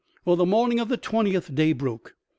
' Well, the morning of the twentieth day broke.